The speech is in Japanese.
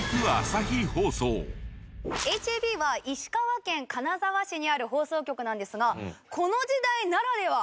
ＨＡＢは石川県金沢市にある放送局なんですがこの時代ならでは！